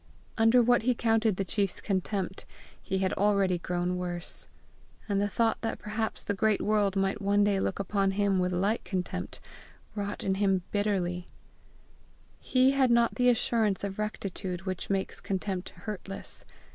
Under what he counted the chiefs contempt, he had already grown worse; and the thought that perhaps the great world might one day look upon him with like contempt, wrought in him bitterly; he had not the assurance of rectitude which makes contempt hurtless.